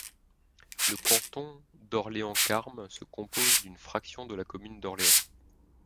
Le canton d'Orléans-Carmes se compose d’une fraction de la commune d'Orléans.